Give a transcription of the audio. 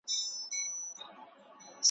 چي په نوم به د اسلام پورته کېدلې ,